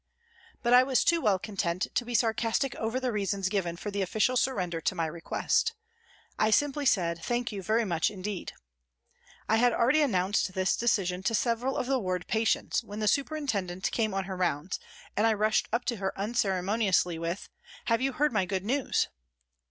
But I was too well content to be sarcastic over the reasons given for the official surrender to my request. I bimply said " Thank you very much indeed." I had already announced this decision to several of the ward patients, when the superintendent came on her rounds and I rushed up 174 PRISONS AND PRISONERS to her unceremoniously with, " Have you heard my good news